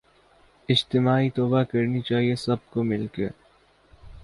اجتماعی توبہ کرنی چاہیے سب کو مل کے